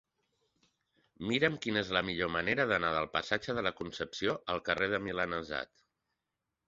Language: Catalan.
Mira'm quina és la millor manera d'anar del passatge de la Concepció al carrer del Milanesat.